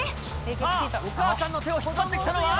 さあ、お母さんの手を引っ張ってきたのは。